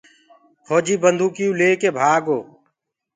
ڦوجيٚ بنٚدوڪيٚئو ليڪي ڀآگو